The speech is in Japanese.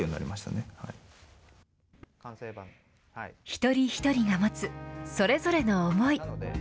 一人一人が持つそれぞれの思い。